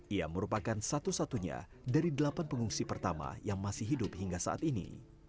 ia merupakan satu satunya dari delapan pengungsi pertama yang masih hidup hingga saat ini